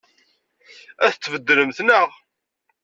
Ad t-tbeddlemt, naɣ?